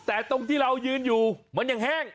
แต่ตรงที่เรายืนอยู่มันยังแห้ง